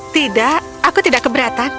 tidak aku tidak keberatan